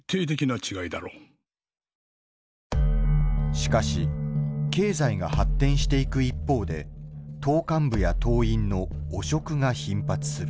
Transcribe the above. しかし経済が発展していく一方で党幹部や党員の汚職が頻発する。